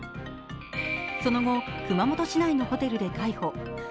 その後、熊本市内のホテルで逮捕。